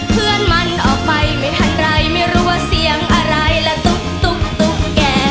เพื่อนมันออกไปไม่ทันไรไม่รู้ว่าเสียงอะไรและตุ๊กแก่